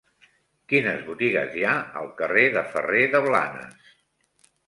Quines botigues hi ha al carrer de Ferrer de Blanes?